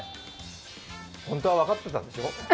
ホントは分かってたんでしょ？